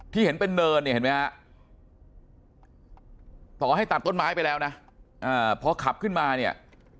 เห็นเป็นเนินเนี่ยเห็นไหมฮะต่อให้ตัดต้นไม้ไปแล้วนะพอขับขึ้นมาเนี่ย